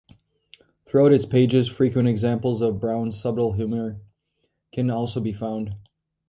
Throughout its pages frequent examples of Browne's subtle humour can also be found.